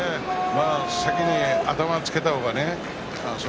先に頭をつけた方がね